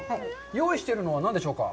用意しているのは何でしょうか？